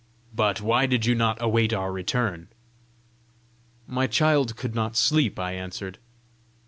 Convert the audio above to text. But why did you not await our return?" "My child could not sleep," I answered.